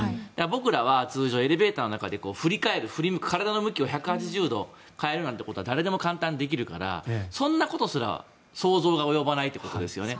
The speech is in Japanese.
僕らは通常、エレベーターの中で振り返る、振り向く体の向きを１８０度変えるなんてことは誰でも簡単にできるからそんなことすら想像が及ばないということですよね。